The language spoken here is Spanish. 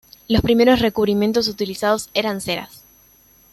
Los primeros recubrimientos utilizados eran ceras.